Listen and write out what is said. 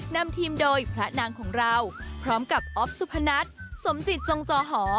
นำทีมโดยพระนางของเราพร้อมกับอ๊อฟสุพนัทสมจิตจงจอหอ